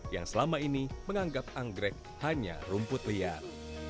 yang selama ini menganggap anggrek hanya rumput liar